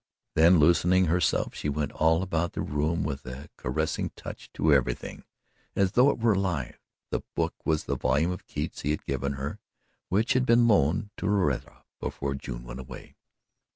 Then loosening herself she went all about the room with a caressing touch to everything, as though it were alive. The book was the volume of Keats he had given her which had been loaned to Loretta before June went away.